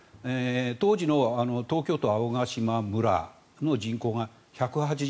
当時の東京都青ヶ島村の人口が１８７人。